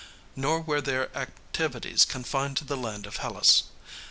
Nor were their activities confined to the land of Hellas.